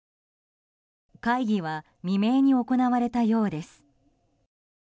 会議は未明に行われたようです。